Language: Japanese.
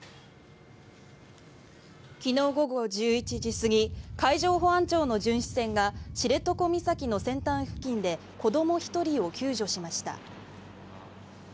昨日午後１１時過ぎ海上保安庁の巡視船が知床岬の先端付近で子ども１人を救助しました。